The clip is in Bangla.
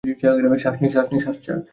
শ্বাস নে, শ্বাস ছাড়।